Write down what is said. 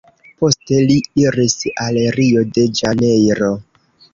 Poste li iris al Rio-de-Ĵanejro.